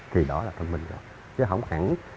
thì đó là thông minh rồi chứ không hẳn